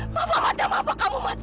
bapak macam apa kamu mas